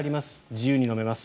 自由に飲めます。